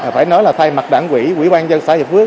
phải nói là thay mặt đảng quỹ quỹ ban dân xã hiệp phước